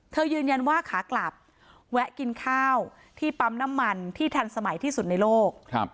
ยืนยันว่าขากลับแวะกินข้าวที่ปั๊มน้ำมันที่ทันสมัยที่สุดในโลก